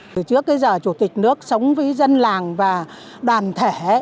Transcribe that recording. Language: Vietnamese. từ trước tới giờ chủ tịch nước sống với dân làng và đoàn thể